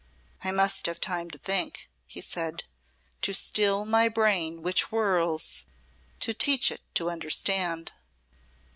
"I must have time to think," he said; "to still my brain which whirls to teach it to understand."